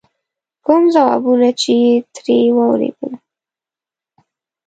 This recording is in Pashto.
کوم ځوابونه چې یې ترې واورېدل.